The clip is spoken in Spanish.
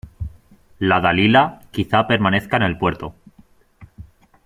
" la Dalila " quizá permanezca en el puerto :